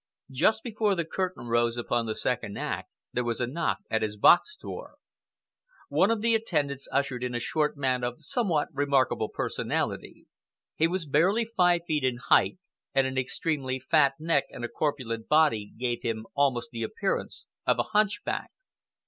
Just before the curtain rose upon the second act, there was a knock at his box door. One of the attendants ushered in a short man of somewhat remarkable personality. He was barely five feet in height, and an extremely fat neck and a corpulent body gave him almost the appearance of a hunchback.